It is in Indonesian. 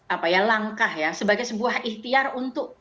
apa ya langkah ya sebagai sebuah ikhtiar untuk